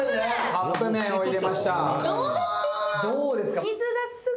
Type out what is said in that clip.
カップ麺を入れました。